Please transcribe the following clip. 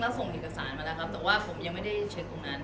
คือจริงแล้วส่งอิกษานมาแล้วครับแต่ว่าผมยังไม่ได้เช็คตรงนั้น